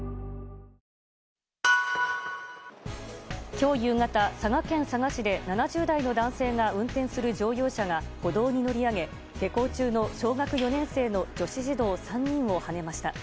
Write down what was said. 今日夕方、佐賀県佐賀市で７０代の男性が運転する乗用車が歩道に乗り上げ下校中の小学４年生の女子児童３人をはねました。